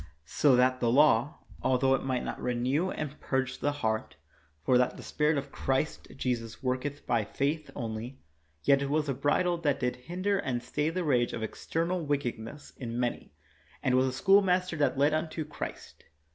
So that the law, altho it might not renew and purge the heart — for that the spirit of Christ Jesus worketh by faith only — yet it was a bridle that did hinder and stay the rage of external wickedness in many, and was a schoolmaster that led unto Christ.